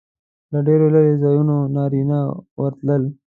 له ډېرو لرې ځایونو نارینه ورتلل.